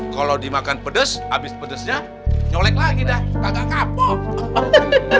kalau dimakan pedes habis pedesnya nyolek lagi dah agak kapok